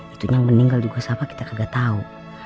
itu yang meninggal juga siapa kita kagak tau